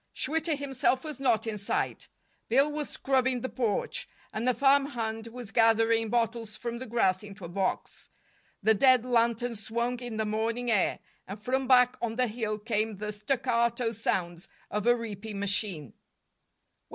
Schwitter himself was not in sight. Bill was scrubbing the porch, and a farmhand was gathering bottles from the grass into a box. The dead lanterns swung in the morning air, and from back on the hill came the staccato sounds of a reaping machine.